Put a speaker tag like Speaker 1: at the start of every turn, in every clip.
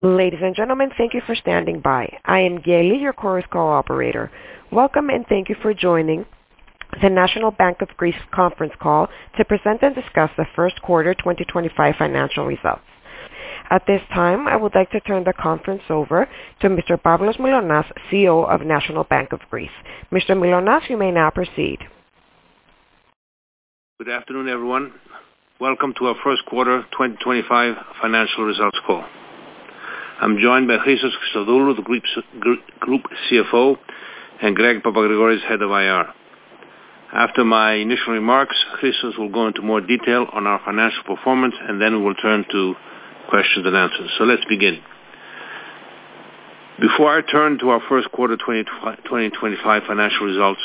Speaker 1: Ladies and gentlemen, thank you for standing by. I am Gail, your conference operator. Welcome and thank you for joining the National Bank of Greece conference call to present and discuss the first quarter 2025 financial results. At this time, I would like to turn the conference over to Mr. Pavlos Mylonas, CEO of National Bank of Greece. Mr. Mylonas, you may now proceed.
Speaker 2: Good afternoon, everyone. Welcome to our first quarter 2025 financial results call. I'm joined by Christos Christodoulou, the Group CFO, and Greg Papagrigoris, Head of IR. After my initial remarks, Christos will go into more detail on our financial performance, and then we will turn to questions and answers. So let's begin. Before I turn to our first quarter 2025 financial results,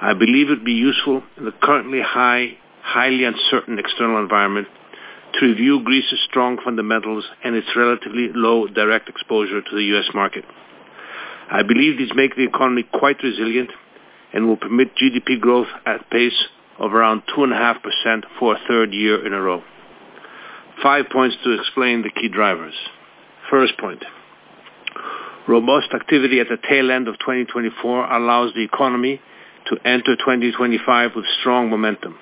Speaker 2: I believe it would be useful in the currently highly uncertain external environment to review Greece's strong fundamentals and its relatively low direct exposure to the U.S. market. I believe these make the economy quite resilient and will permit GDP growth at a pace of around 2.5% for a third year in a row. Five points to explain the key drivers. First point: robust activity at the tail end of 2024 allows the economy to enter 2025 with strong momentum.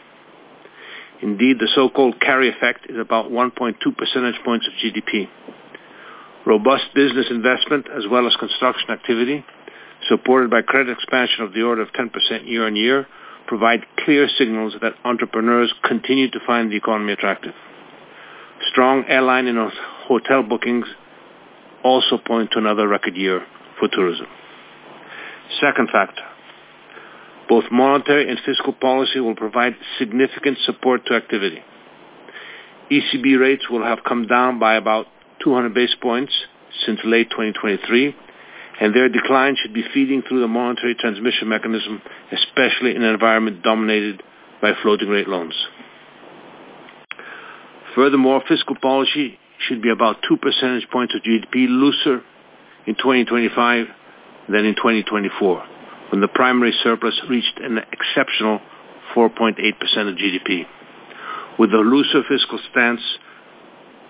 Speaker 2: Indeed, the so-called carry effect is about 1.2 percentage points of GDP. Robust business investment, as well as construction activity, supported by credit expansion of the order of 10% year on year, provide clear signals that entrepreneurs continue to find the economy attractive. Strong airline and hotel bookings also point to another record year for tourism. Second factor: both monetary and fiscal policy will provide significant support to activity. ECB rates will have come down by about 200 basis points since late 2023, and their decline should be feeding through the monetary transmission mechanism, especially in an environment dominated by floating-rate loans. Furthermore, fiscal policy should be about two percentage points of GDP looser in 2025 than in 2024, when the primary surplus reached an exceptional 4.8% of GDP, with a looser fiscal stance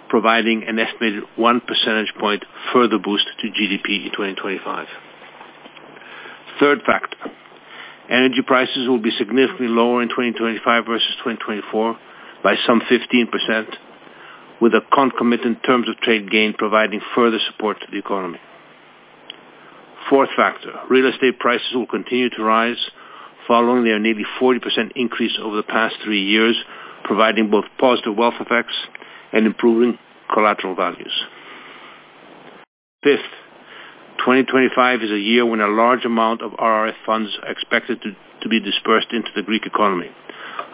Speaker 2: providing an estimated one percentage point further boost to GDP in 2025. Third factor: energy prices will be significantly lower in 2025 versus 2024 by some 15%, with a concomitant terms of trade gain providing further support to the economy. Fourth factor: real estate prices will continue to rise following their nearly 40% increase over the past three years, providing both positive wealth effects and improving collateral values. Fifth: 2025 is a year when a large amount of RRF funds are expected to be dispersed into the Greek economy,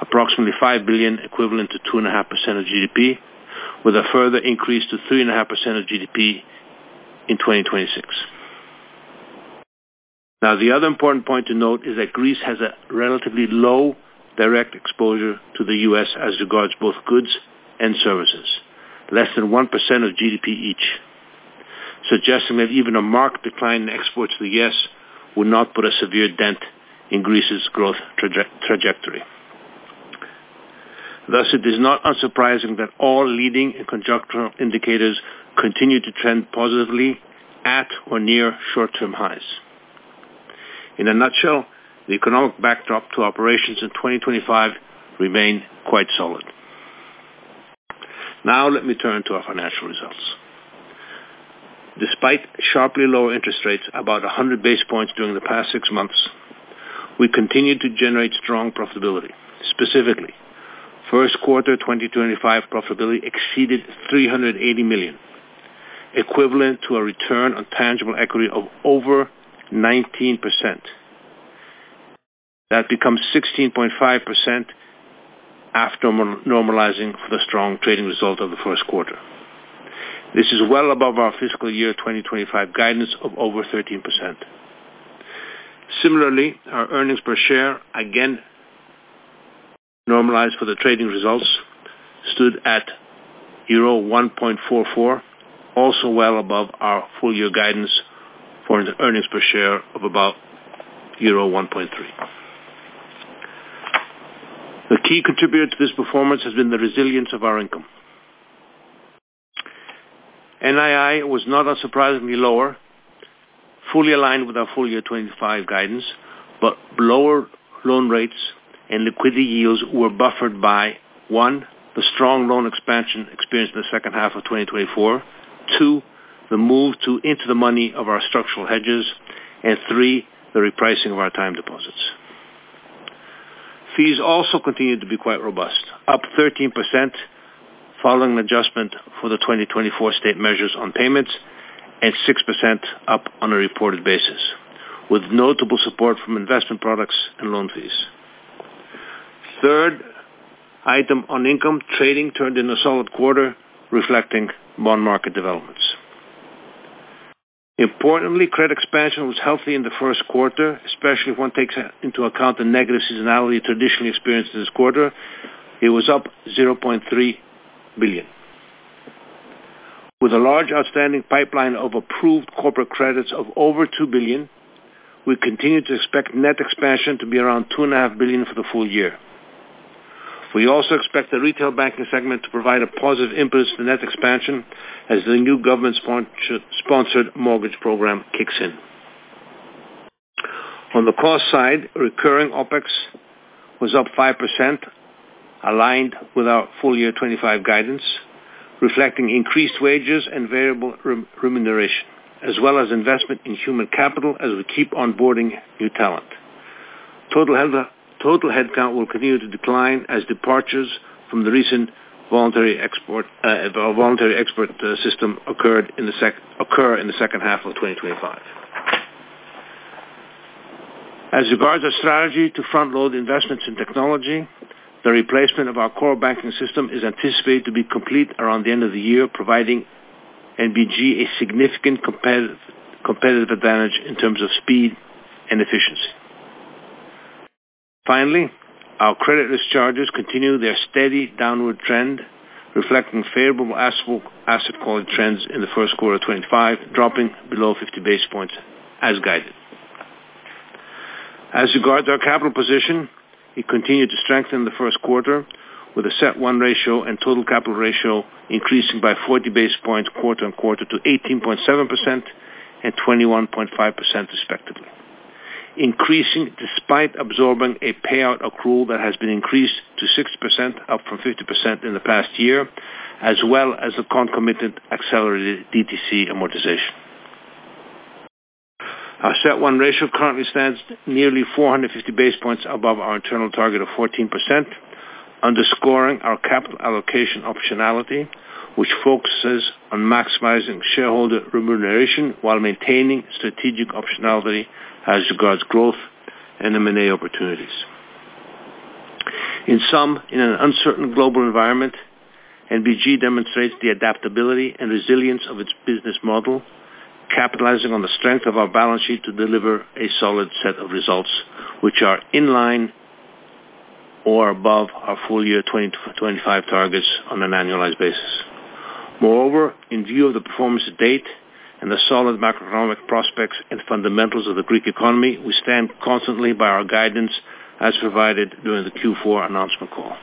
Speaker 2: approximately 5 billion equivalent to 2.5% of GDP, with a further increase to 3.5% of GDP in 2026. Now, the other important point to note is that Greece has a relatively low direct exposure to the U.S. as regards both goods and services, less than 1% of GDP each, suggesting that even a marked decline in exports to the U.S. would not put a severe dent in Greece's growth trajectory. Thus, it is not unsurprising that all leading and conjunctural indicators continue to trend positively at or near short-term highs. In a nutshell, the economic backdrop to operations in 2025 remains quite solid. Now, let me turn to our financial results. Despite sharply low interest rates about 100 basis points during the past six months, we continue to generate strong profitability. Specifically, first quarter 2025 profitability exceeded 380 million, equivalent to a return on tangible equity of over 19%. That becomes 16.5% after normalizing for the strong trading result of the first quarter. This is well above our fiscal year 2025 guidance of over 13%. Similarly, our earnings per share, again normalized for the trading results, stood at euro 1.44, also well above our full-year guidance for earnings per share of about euro 1.3. The key contributor to this performance has been the resilience of our income. NII was not unsurprisingly lower, fully aligned with our full-year 2025 guidance, but lower loan rates and liquidity yields were buffered by: one, the strong loan expansion experienced in the second half of 2024. Two, the move into the money of our structural hedges. And three, the repricing of our time deposits. Fees also continued to be quite robust, up 13% following an adjustment for the 2024 state measures on payments and 6% up on a reported basis, with notable support from investment products and loan fees. Third item on income: trading turned in a solid quarter, reflecting bond market developments. Importantly, credit expansion was healthy in the first quarter, especially if one takes into account the negative seasonality traditionally experienced in this quarter. It was up 0.3 billion. With a large outstanding pipeline of approved corporate credits of over 2 billion, we continue to expect net expansion to be around 2.5 billion for the full year. We also expect the retail banking segment to provide a positive impetus to net expansion as the new government-sponsored mortgage program kicks in. On the cost side, recurring OPEX was up 5%, aligned with our full-year 2025 guidance, reflecting increased wages and variable remuneration, as well as investment in human capital as we keep onboarding new talent. Total headcount will continue to decline as departures from the recent Voluntary Exit Scheme occur in the second half of 2025. As regards our strategy to front-load investments in technology, the replacement of our core banking system is anticipated to be complete around the end of the year, providing NBG a significant competitive advantage in terms of speed and efficiency. Finally, our credit risk charges continue their steady downward trend, reflecting favorable asset quality trends in the first quarter of 2025, dropping below 50 basis points as guided. As regards our capital position, we continue to strengthen the first quarter with a CET1 ratio and total capital ratio increasing by 40 basis points quarter on quarter to 18.7% and 21.5% respectively, increasing despite absorbing a payout accrual that has been increased to 6%, up from 50% in the past year, as well as the concomitant accelerated DTC amortization. Our CET1 ratio currently stands nearly 450 basis points above our internal target of 14%, underscoring our capital allocation optionality, which focuses on maximizing shareholder remuneration while maintaining strategic optionality as regards growth and M&A opportunities. In sum, in an uncertain global environment, NBG demonstrates the adaptability and resilience of its business model, capitalizing on the strength of our balance sheet to deliver a solid set of results which are in line or above our full-year 2025 targets on an annualized basis. Moreover, in view of the performance to date and the solid macroeconomic prospects and fundamentals of the Greek economy, we stand confidently by our guidance as provided during the Q4 announcement call.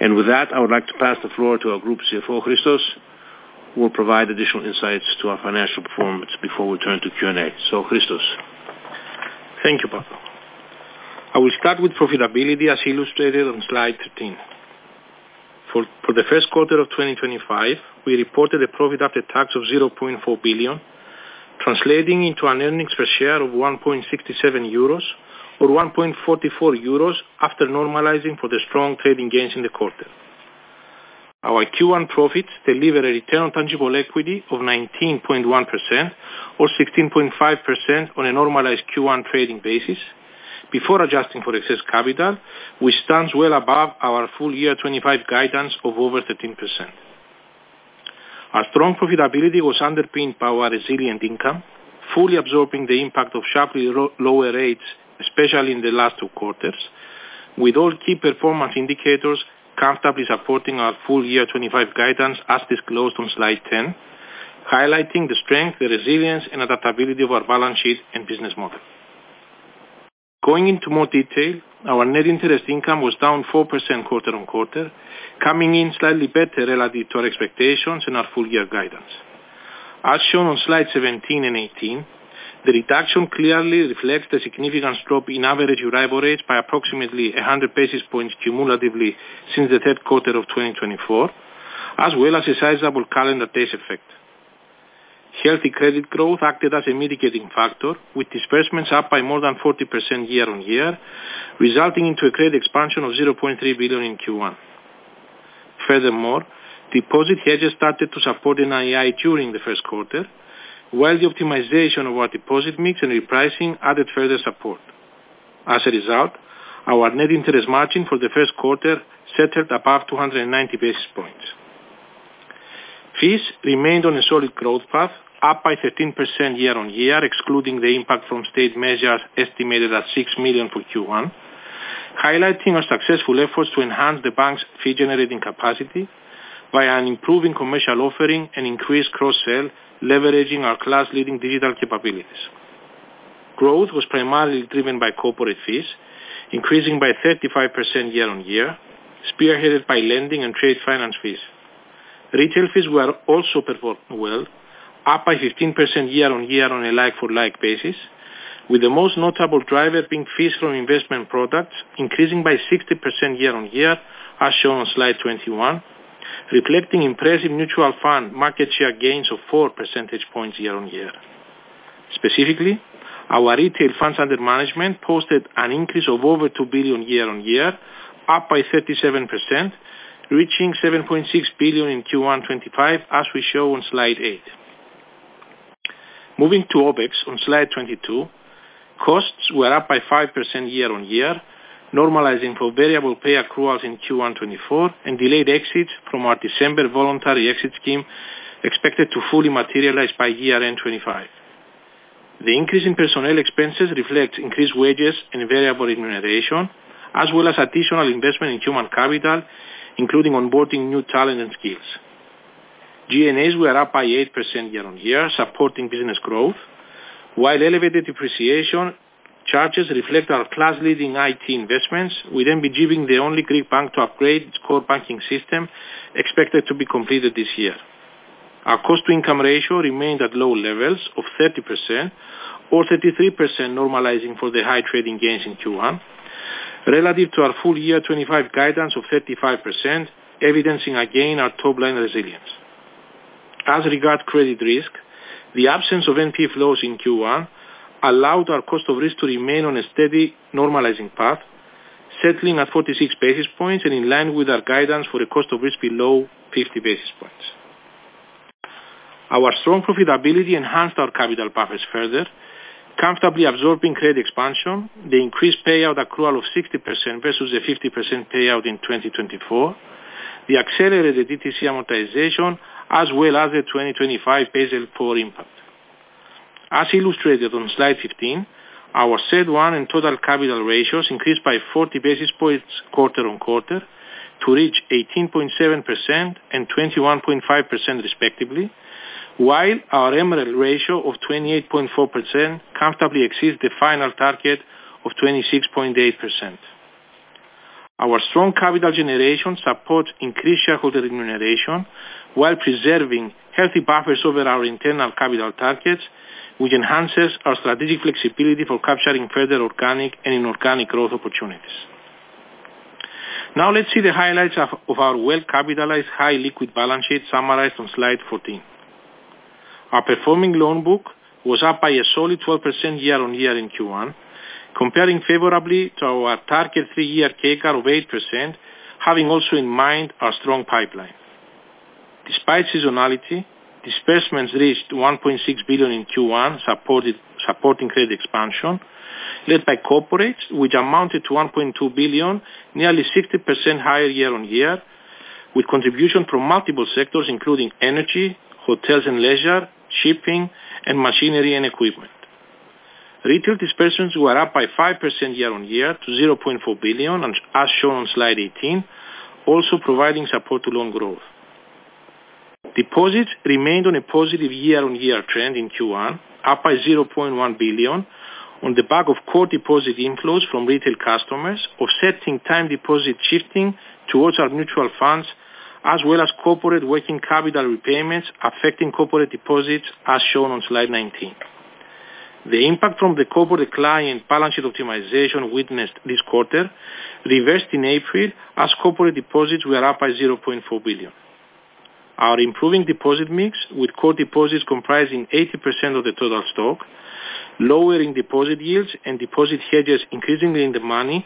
Speaker 2: And with that, I would like to pass the floor to our Group CFO, Christos, who will provide additional insights to our financial performance before we turn to Q&A. So, Christos,
Speaker 3: thank you. I will start with profitability as illustrated on slide 13. For the first quarter of 2025, we reported a profit after tax of 0.4 billion, translating into an earnings per share of 1.67 euros or 1.44 euros after normalizing for the strong trading gains in the quarter. Our Q1 profits deliver a return on tangible equity of 19.1% or 16.5% on a normalized Q1 trading basis before adjusting for excess capital, which stands well above our full-year 2025 guidance of over 13%. Our strong profitability was underpinned by our resilient income, fully absorbing the impact of sharply lower rates, especially in the last two quarters, with all key performance indicators comfortably supporting our full-year 2025 guidance as disclosed on slide 10, highlighting the strength, the resilience, and adaptability of our balance sheet and business model. Going into more detail, our net interest income was down 4% quarter on quarter, coming in slightly better relative to our expectations and our full-year guidance. As shown on slides 17 and 18, the reduction clearly reflects the significant drop in average Euribor rates by approximately 100 basis points cumulatively since the third quarter of 2024, as well as a sizable calendar-based effect. Healthy credit growth acted as a mitigating factor, with disbursements up by more than 40% year on year, resulting in a credit expansion of 0.3 billion in Q1. Furthermore, deposit hedges started to support NII during the first quarter, while the optimization of our deposit mix and repricing added further support. As a result, our net interest margin for the first quarter settled above 290 basis points. Fees remained on a solid growth path, up by 13% year on year, excluding the impact from state measures estimated at 6 million for Q1, highlighting our successful efforts to enhance the bank's fee-generating capacity by improving commercial offering and increased cross-sale, leveraging our class-leading digital capabilities. Growth was primarily driven by corporate fees, increasing by 35% year on year, spearheaded by lending and trade finance fees. Retail fees were also performing well, up by 15% year on year on a like-for-like basis, with the most notable driver being fees from investment products, increasing by 60% year on year, as shown on slide 21, reflecting impressive mutual fund market share gains of 4 percentage points year on year. Specifically, our retail funds under management posted an increase of over 2 billion year on year, up by 37%, reaching 7.6 billion in Q1 2025, as we show on slide 8. Moving to OpEx on slide 22, costs were up by five% year on year, normalizing for variable pay accruals in Q1 2024, and delayed exits from our December voluntary exit scheme expected to fully materialize by year-end 2025. The increase in personnel expenses reflects increased wages and variable remuneration, as well as additional investment in human capital, including onboarding new talent and skills. G&As were up by eight% year on year, supporting business growth, while elevated depreciation charges reflect our class-leading IT investments, with NBG being the only Greek bank to upgrade its core banking system expected to be completed this year. Our cost-to-income ratio remained at low levels of 30%, or 33% normalizing for the high trading gains in Q1, relative to our full-year 2025 guidance of 35%, evidencing again our top-line resilience. As regards credit risk, the absence of NP flows in Q1 allowed our cost of risk to remain on a steady normalizing path, settling at 46 basis points and in line with our guidance for a cost of risk below 50 basis points. Our strong profitability enhanced our capital buffers further, comfortably absorbing credit expansion, the increased payout accrual of 60% versus the 50% payout in 2024, the accelerated DTC amortization, as well as the 2025 baseline core impact. As illustrated on slide 15, our CET1 and total capital ratios increased by 40 basis points quarter on quarter to reach 18.7% and 21.5% respectively, while our MREL ratio of 28.4% comfortably exceeds the final target of 26.8%. Our strong capital generation supports increased shareholder remuneration while preserving healthy buffers over our internal capital targets, which enhances our strategic flexibility for capturing further organic and inorganic growth opportunities. Now, let's see the highlights of our well-capitalized, high-liquid balance sheet summarized on slide 14. Our performing loan book was up by a solid 12% year on year in Q1, comparing favorably to our target three-year CAGR of 8%, having also in mind our strong pipeline. Despite seasonality, disbursements reached 1.6 billion in Q1, supporting credit expansion, led by corporates, which amounted to 1.2 billion, nearly 60% higher year on year, with contributions from multiple sectors including energy, hotels and leisure, shipping, and machinery and equipment. Retail disbursements were up by 5% year on year to 0.4 billion, as shown on slide 18, also providing support to loan growth. Deposits remained on a positive year-on-year trend in Q1, up by 0.1 billion on the back of core deposit inflows from retail customers, offsetting time deposit shifting towards our mutual funds, as well as corporate working capital repayments affecting corporate deposits, as shown on slide 19. The impact from the corporate client balance sheet optimization witnessed this quarter reversed in April, as corporate deposits were up by 0.4 billion. Our improving deposit mix, with core deposits comprising 80% of the total stock, lowering deposit yields and deposit hedges increasingly in demand,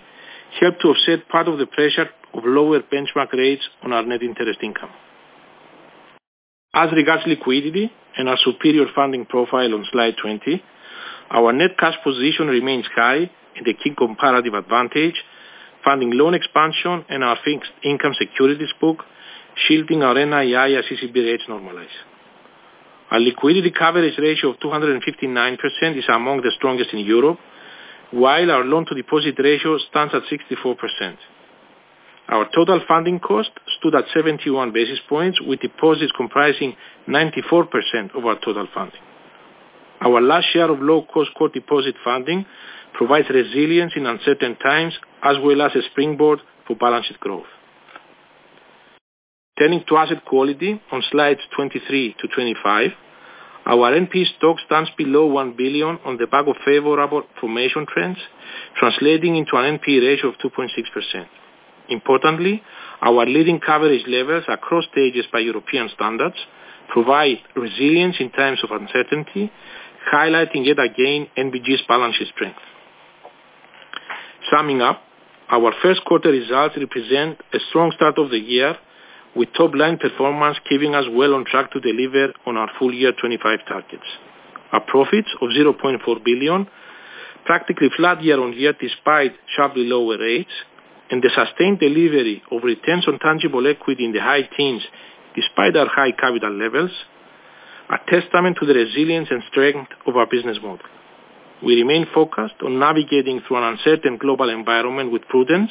Speaker 3: helped to offset part of the pressure of lower benchmark rates on our net interest income. As regards liquidity and our superior funding profile on slide 20, our net cash position remains high and the key comparative advantage, funding loan expansion and our fixed income securities book shielding our NII as ECB rates normalize. Our liquidity coverage ratio of 259% is among the strongest in Europe, while our loan-to-deposit ratio stands at 64%. Our total funding cost stood at 71 basis points, with deposits comprising 94% of our total funding. Our vast share of low-cost core deposit funding provides resilience in uncertain times, as well as a springboard for balance sheet growth. Turning to asset quality on slides 23 to 25, our NP stock stands below €1 billion on the back of favorable formation trends, translating into an NP ratio of 2.6%. Importantly, our leading coverage levels are across stages by European standards, providing resilience in times of uncertainty, highlighting yet again NBG's balance sheet strength. Summing up, our first quarter results represent a strong start of the year, with top-line performance keeping us well on track to deliver on our full-year 2025 targets.
Speaker 2: Our profits of 0.4 billion, practically flat year on year despite sharply lower rates, and the sustained delivery of returns on tangible equity in the high teens despite our high capital levels are a testament to the resilience and strength of our business model. We remain focused on navigating through an uncertain global environment with prudence,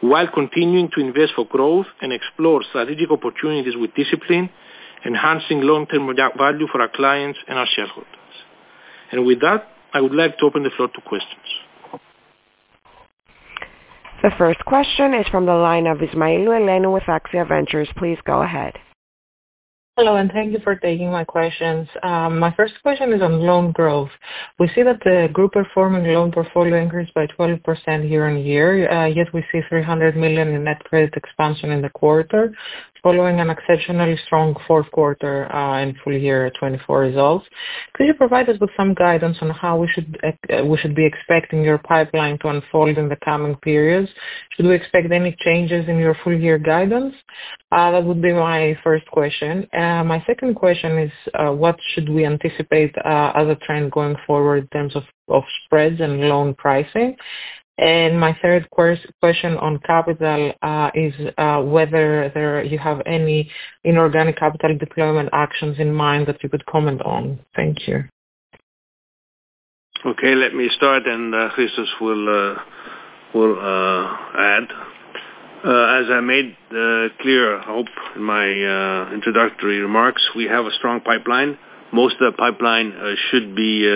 Speaker 2: while continuing to invest for growth and explore strategic opportunities with discipline, enhancing long-term value for our clients and our shareholders. And with that, I would like to open the floor to questions.
Speaker 1: The first question is from the line of Eleni Ismailou with AXIA Ventures. Please go ahead.
Speaker 4: Hello, and thank you for taking my questions. My first question is on loan growth. We see that the group performing loan portfolio increased by 12% year on year, yet we see 300 million in net credit expansion in the quarter, following an exceptionally strong fourth quarter and full-year 2024 results. Could you provide us with some guidance on how we should be expecting your pipeline to unfold in the coming periods? Should we expect any changes in your full-year guidance? That would be my first question. My second question is, what should we anticipate as a trend going forward in terms of spreads and loan pricing? And my third question on capital is whether you have any inorganic capital deployment actions in mind that you could comment on. Thank you.
Speaker 2: Okay, let me start, and Christos will add. As I made clear, I hope in my introductory remarks, we have a strong pipeline. Most of the pipeline should be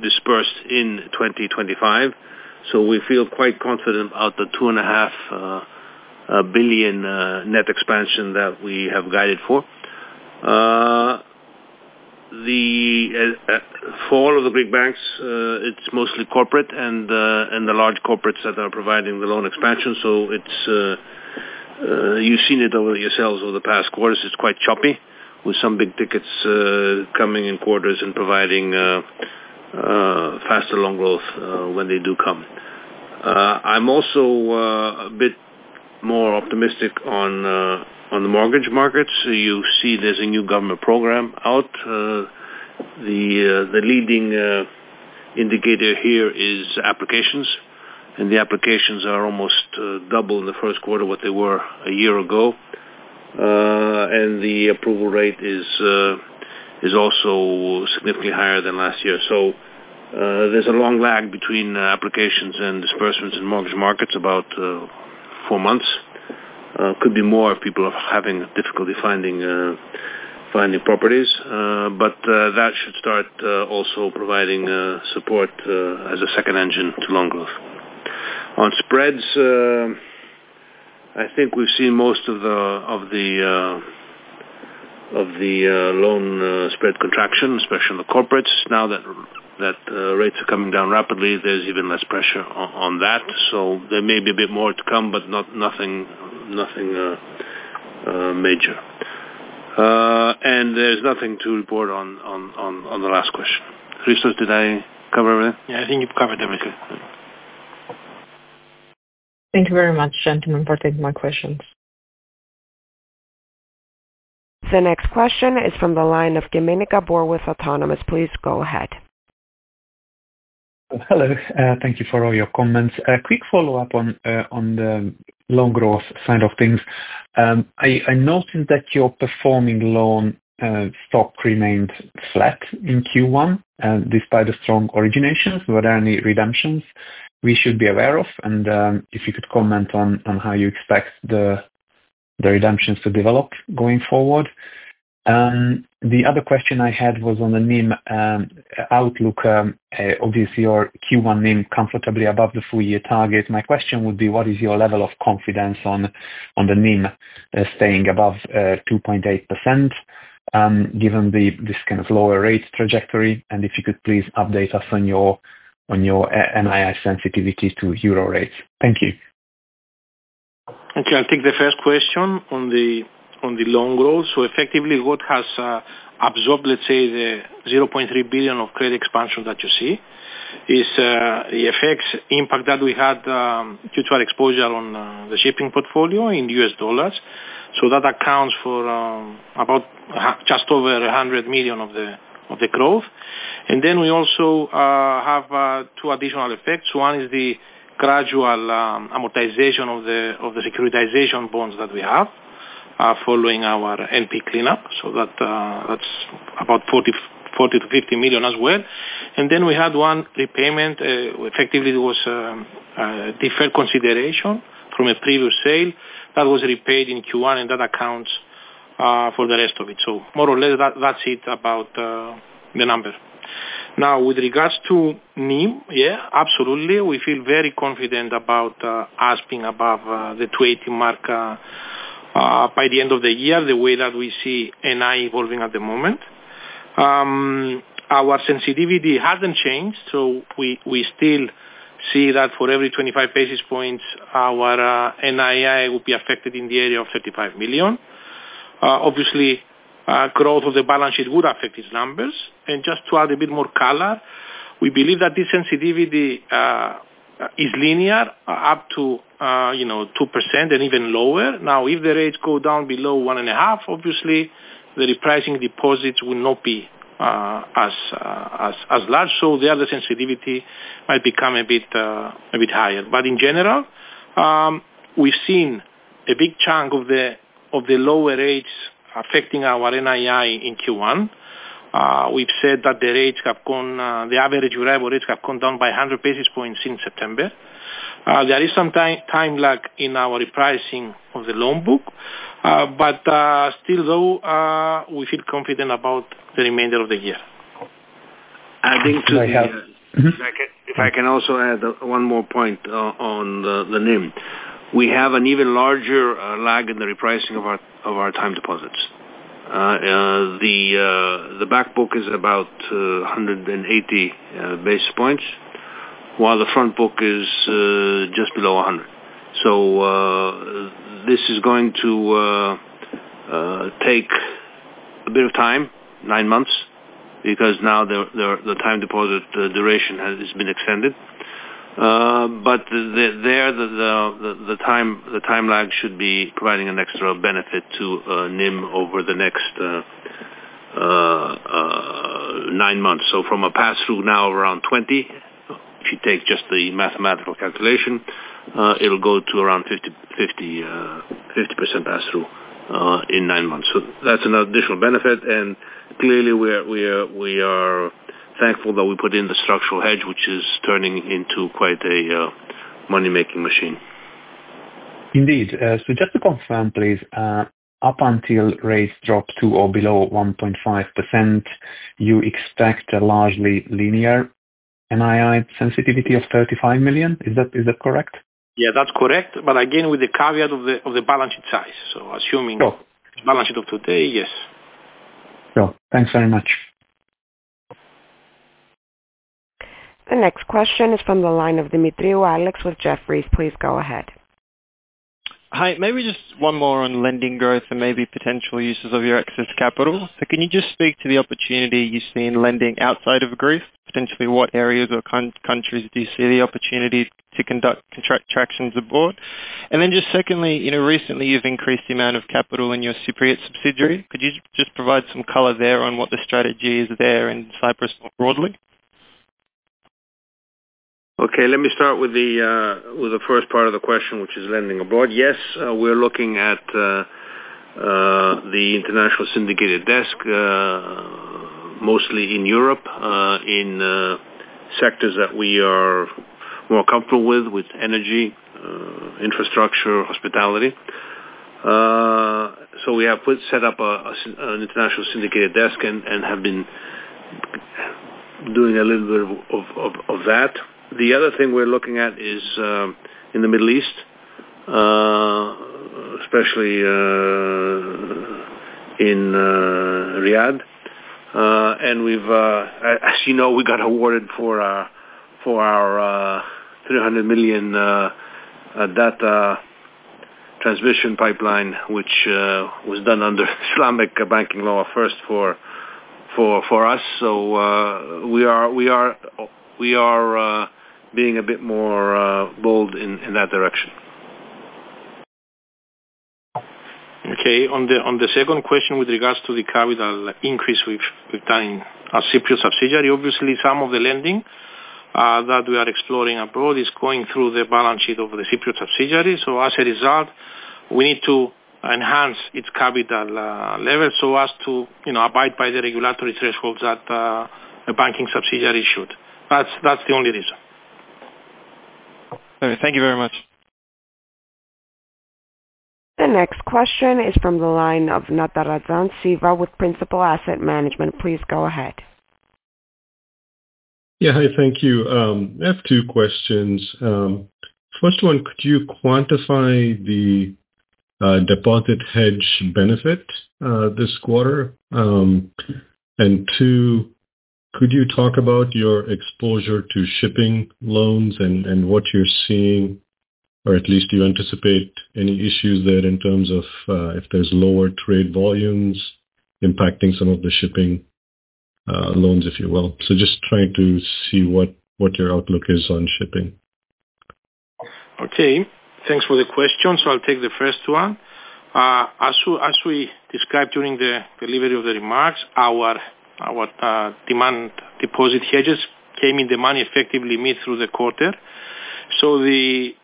Speaker 2: dispersed in 2025, so we feel quite confident about the 2.5 billion net expansion that we have guided for. For all of the Greek banks, it's mostly corporate and the large corporates that are providing the loan expansion, so you've seen it over yourselves over the past quarters. It's quite choppy, with some big tickets coming in quarters and providing faster loan growth when they do come. I'm also a bit more optimistic on the mortgage markets. You see there's a new government program out. The leading indicator here is applications, and the applications are almost double in the first quarter what they were a year ago, and the approval rate is also significantly higher than last year. So there's a long lag between applications and disbursements in mortgage markets about four months. It could be more if people are having difficulty finding properties, but that should start also providing support as a second engine to loan growth. On spreads, I think we've seen most of the loan spread contraction, especially on the corporates. Now that rates are coming down rapidly, there's even less pressure on that, so there may be a bit more to come, but nothing major. And there's nothing to report on the last question. Christos, did I cover everything?
Speaker 3: Yeah, I think you've covered everything.
Speaker 4: Thank you. Thank you very much, gentlemen, for taking my questions.
Speaker 1: The next question is from the line of Dominic Borthwick, Autonomous Research. Please go ahead.
Speaker 5: Hello, thank you for all your comments. Quick follow-up on the loan growth side of things. I noticed that your performing loan stock remained flat in Q1 despite the strong originations. Were there any redemptions we should be aware of? And if you could comment on how you expect the redemptions to develop going forward? The other question I had was on the NIM outlook. Obviously, your Q1 NIM comfortably above the full-year target. My question would be, what is your level of confidence on the NIM staying above 2.8% given this kind of lower rate trajectory? And if you could please update us on your NII sensitivity to euro rates. Thank you.
Speaker 3: Okay, I'll take the first question on the loan growth. So effectively, what has absorbed, let's say, the 0.3 billion of credit expansion that you see is the FX impact that we had due to our exposure on the shipping portfolio in USD. So that accounts for just over 100 million of the growth. And then we also have two additional effects. One is the gradual amortization of the securitization bonds that we have following our NP cleanup. So that's about 40 million-50 million as well. And then we had one repayment. Effectively, it was a deferred consideration from a previous sale that was repaid in Q1, and that accounts for the rest of it. So more or less, that's it about the number. Now, with regards to NIM, yeah, absolutely. We feel very confident about us being above the 280 mark by the end of the year, the way that we see NII evolving at the moment. Our sensitivity hasn't changed, so we still see that for every 25 basis points, our NII would be affected in the area of 35 million. Obviously, growth of the balance sheet would affect these numbers. Just to add a bit more color, we believe that this sensitivity is linear up to 2% and even lower. Now, if the rates go down below 1.5, obviously, the repricing deposits will not be as large, so there the sensitivity might become a bit higher. But in general, we've seen a big chunk of the lower rates affecting our NII in Q1. We've said that the average variable rates have come down by 100 basis points since September. There is some time lag in our repricing of the loan book, but still, though, we feel confident about the remainder of the year.
Speaker 2: I think if I can also add one more point on the NIM, we have an even larger lag in the repricing of our time deposits. The back book is about 180 basis points, while the front book is just below 100. So this is going to take a bit of time, nine months, because now the time deposit duration has been extended. But there, the time lag should be providing an extra benefit to NIM over the next nine months. So from a pass-through now of around 20%, if you take just the mathematical calculation, it'll go to around 50% pass-through in nine months. So that's an additional benefit, and clearly, we are thankful that we put in the structural hedge, which is turning into quite a money-making machine. Indeed.
Speaker 5: So just to confirm, please, up until rates drop to or below 1.5%, you expect a largely linear NII sensitivity of 35 million. Is that correct?
Speaker 2: Yeah, that's correct, but again, with the caveat of the balance sheet size. So assuming the balance sheet of today, yes.
Speaker 5: Sure. Thanks very much.
Speaker 1: The next question is from the line of Alex Demetriou with Jefferies. Please go ahead.
Speaker 6: Hi, maybe just one more on lending growth and maybe potential uses of your excess capital. So can you just speak to the opportunity you see in lending outside of Greece? Potentially, what areas or countries do you see the opportunity to conduct transactions abroad? And then just secondly, recently, you've increased the amount of capital in your Cypriot subsidiary. Could you just provide some color there on what the strategy is there in Cyprus more broadly?
Speaker 2: Okay, let me start with the first part of the question, which is lending abroad. Yes, we're looking at the International Syndicated Desk, mostly in Europe, in sectors that we are more comfortable with, with energy, infrastructure, hospitality. So we have set up an International Syndicated Desk and have been doing a little bit of that. The other thing we're looking at is in the Middle East, especially in Riyadh. And as you know, we got awarded for our EUR 300 million data transmission pipeline, which was done under Islamic banking law first for us. So we are being a bit more bold in that direction.
Speaker 3: Okay, on the second question with regards to the capital increase we've done in our Cypriot subsidiary, obviously, some of the lending that we are exploring abroad is going through the balance sheet of the Cypriot subsidiary. So as a result, we need to enhance its capital level so as to abide by the regulatory thresholds that a banking subsidiary should. That's the only reason.
Speaker 6: Thank you very much.
Speaker 1: The next question is from the line of Siva Natarajan with Principal Asset Management. Please go ahead.
Speaker 7: Yeah, hi, thank you. I have two questions. First one, could you quantify the deposit hedge benefit this quarter? And two, could you talk about your exposure to shipping loans and what you're seeing, or at least do you anticipate any issues there in terms of if there's lower trade volumes impacting some of the shipping loans, if you will? So just trying to see what your outlook is on shipping.
Speaker 3: Okay, thanks for the question. So I'll take the first one. As we described during the delivery of the remarks, our demand deposit hedges came in demand effectively midway through the quarter. So the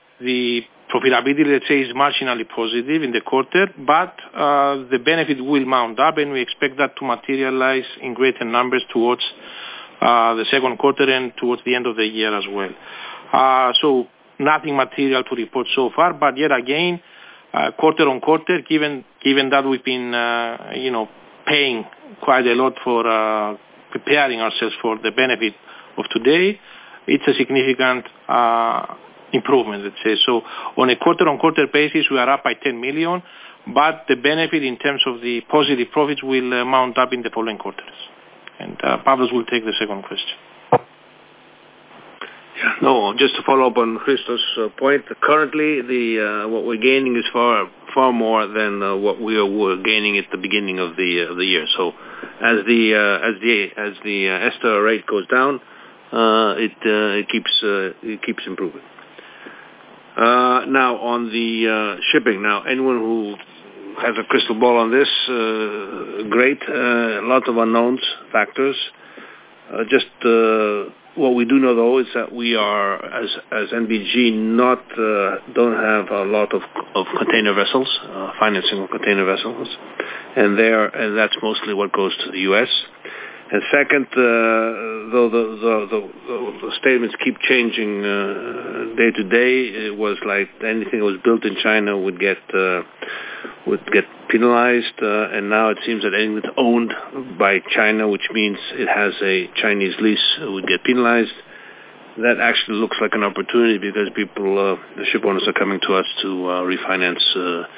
Speaker 3: profitability, let's say, is marginally positive in the quarter, but the benefit will mount up, and we expect that to materialize in greater numbers towards the second quarter and towards the end of the year as well. Nothing material to report so far, but yet again, quarter on quarter, given that we've been paying quite a lot for preparing ourselves for the benefit of today, it's a significant improvement, let's say. On a quarter-on-quarter basis, we are up by €10 million, but the benefit in terms of the positive profits will mount up in the following quarters. Pavlos will take the second question.
Speaker 2: Yeah, no, just to follow up on Christos' point, currently, what we're gaining is far more than what we were gaining at the beginning of the year. As the €STR rate goes down, it keeps improving. Now, on the shipping, anyone who has a crystal ball on this, great. A lot of unknown factors. Just what we do know, though, is that we are, as NBG, don't have a lot of container vessels, financing of container vessels, and that's mostly what goes to the US, and second, though, the statements keep changing day to day. It was like anything that was built in China would get penalized, and now it seems that anything that's owned by China, which means it has a Chinese lease, would get penalized. That actually looks like an opportunity because the shipowners are coming to us to refinance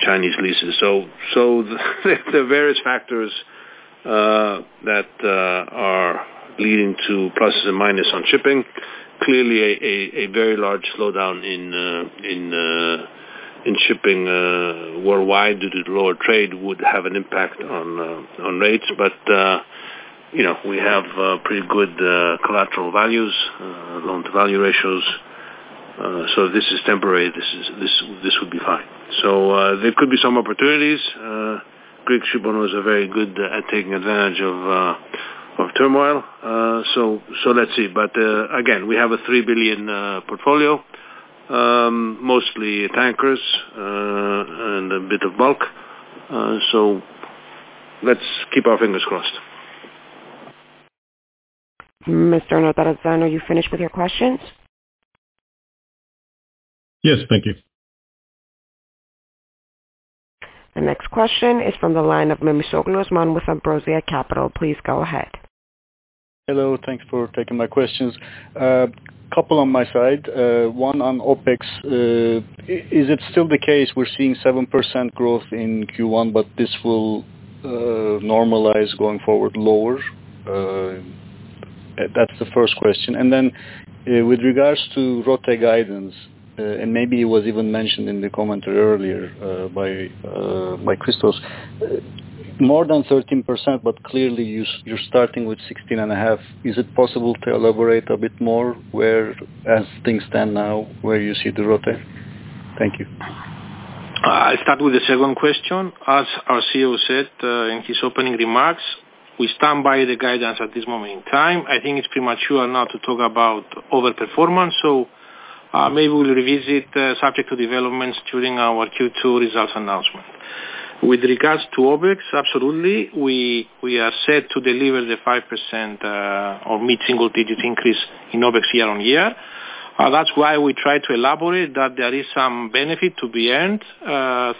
Speaker 2: Chinese leases, so the various factors that are leading to pluses and minuses on shipping, clearly, a very large slowdown in shipping worldwide due to the lower trade would have an impact on rates, but we have pretty good collateral values, loan-to-value ratios, so this is temporary. This would be fine, so there could be some opportunities. Greek shipowners are very good at taking advantage of turmoil, so let's see. But again, we have a €3 billion portfolio, mostly tankers and a bit of bulk. So let's keep our fingers crossed.
Speaker 1: Mr. Natarajan, are you finished with your questions?
Speaker 7: Yes, thank you.
Speaker 1: The next question is from the line of Demetriou Fellows, Martin with Ambrosia Capital. Please go ahead.
Speaker 8: Hello, thanks for taking my questions. A couple on my side. One on OpEx. Is it still the case we're seeing 7% growth in Q1, but this will normalize going forward lower? That's the first question. And then with regards to RoTE guidance, and maybe it was even mentioned in the commentary earlier by Christos, more than 13%, but clearly, you're starting with 16.5%. Is it possible to elaborate a bit more as things stand now, where you see the RoTE? Thank you.
Speaker 2: I'll start with the second question. As our CEO said in his opening remarks, we stand by the guidance at this moment in time. I think it's premature now to talk about overperformance, so maybe we'll revisit subject to developments during our Q2 results announcement. With regards to OpEx, absolutely, we are set to deliver the 5% or mid-single-digit increase in OpEx year on year. That's why we try to elaborate that there is some benefit to be earned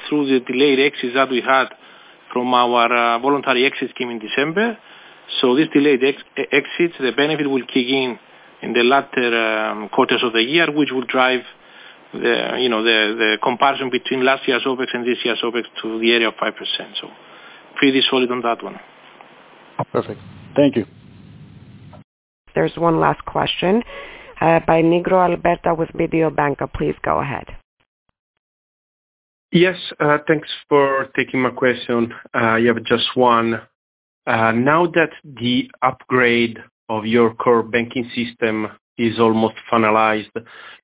Speaker 2: through the delayed exits that we had from our voluntary exit scheme in December. So this delayed exits, the benefit will kick in in the latter quarters of the year, which will drive the comparison between last year's OpEx and this year's OpEx to the area of 5%. So pretty solid on that one.
Speaker 8: Perfect. Thank you.
Speaker 1: There's one last question by Alberto Nigro with Mediobanca. Please go ahead.
Speaker 9: Yes, thanks for taking my question. I have just one. Now that the upgrade of your core banking system is almost finalized,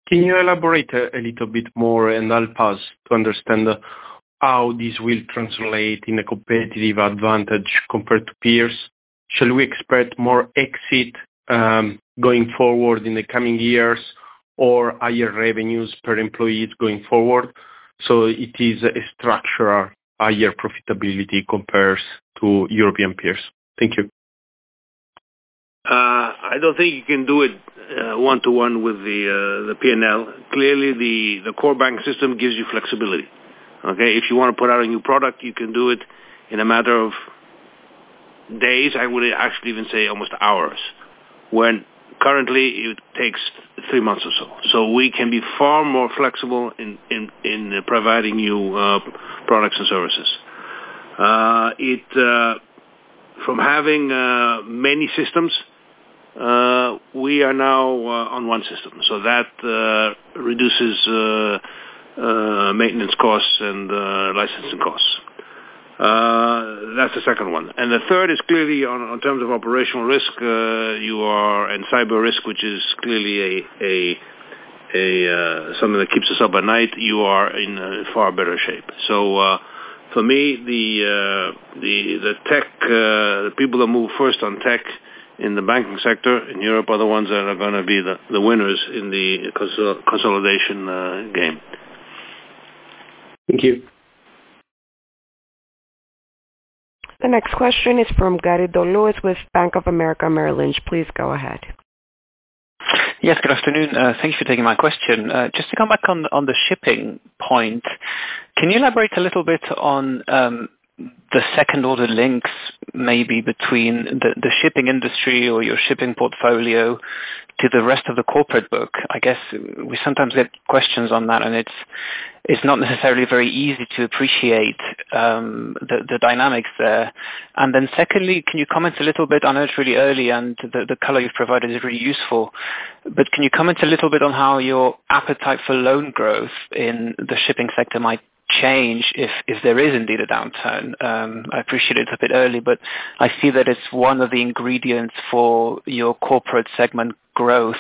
Speaker 9: can you elaborate a little bit more and I'll pause to understand how this will translate in a competitive advantage compared to peers? Shall we expect more exit going forward in the coming years or higher revenues per employees going forward? So it is a structural higher profitability compared to European peers. Thank you.
Speaker 2: I don't think you can do it one-to-one with the P&L. Clearly, the core banking system gives you flexibility. Okay? If you want to put out a new product, you can do it in a matter of days. I would actually even say almost hours, when currently, it takes three months or so. So we can be far more flexible in providing you products and services. From having many systems, we are now on one system. So that reduces maintenance costs and licensing costs. That's the second one. And the third is clearly in terms of operational risk and cyber risk, which is clearly something that keeps us up at night; you are in far better shape. So for me, the people that move first on tech in the banking sector in Europe are the ones that are going to be the winners in the consolidation game.
Speaker 9: Thank you.
Speaker 1: The next question is from Gary Dolores with Bank of America Merrill Lynch. Please go ahead.
Speaker 10: Yes, good afternoon. Thank you for taking my question. Just to come back on the shipping point, can you elaborate a little bit on the second-order links maybe between the shipping industry or your shipping portfolio to the rest of the corporate book?
Speaker 2: I guess we sometimes get questions on that, and it's not necessarily very easy to appreciate the dynamics there. And then secondly, can you comment a little bit? I know it's really early, and the color you've provided is really useful, but can you comment a little bit on how your appetite for loan growth in the shipping sector might change if there is indeed a downturn? I appreciate it's a bit early, but I see that it's one of the ingredients for your corporate segment growth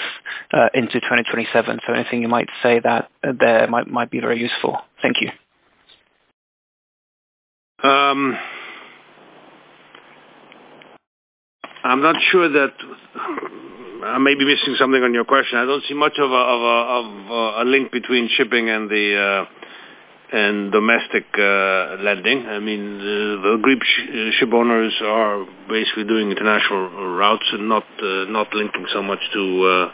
Speaker 2: into 2027. So anything you might say that there might be very useful.
Speaker 10: Thank you.
Speaker 2: I'm not sure that I may be missing something on your question. I don't see much of a link between shipping and domestic lending. I mean, the Greek shipowners are basically doing international routes and not linking so much to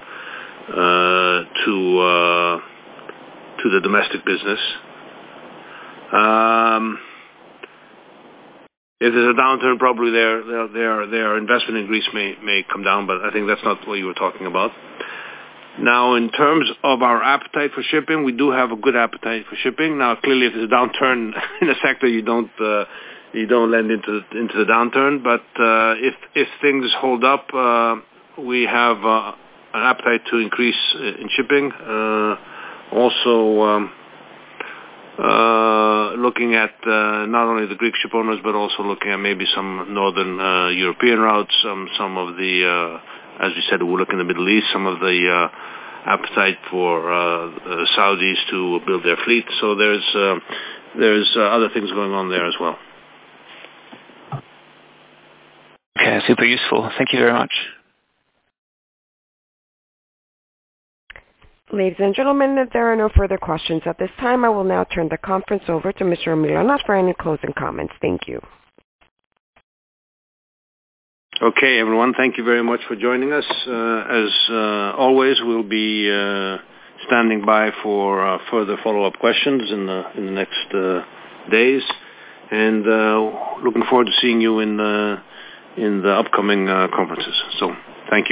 Speaker 2: the domestic business. If there's a downturn, probably their investment in Greece may come down, but I think that's not what you were talking about. Now, in terms of our appetite for shipping, we do have a good appetite for shipping. Now, clearly, if there's a downturn in the sector, you don't lend into the downturn, but if things hold up, we have an appetite to increase in shipping. Also, looking at not only the Greek shipowners, but also looking at maybe some Northern European routes, some of the, as we said, we're looking at the Middle East, some of the appetite for Saudis to build their fleet. So there's other things going on there as well.
Speaker 10: Okay, super useful. Thank you very much.
Speaker 1: Ladies and gentlemen, if there are no further questions at this time, I will now turn the conference over to Mr. Mylonas for any closing comments. Thank you.
Speaker 2: Okay, everyone, thank you very much for joining us. As always, we'll be standing by for further follow-up questions in the next days, and looking forward to seeing you in the upcoming conferences. So thank you.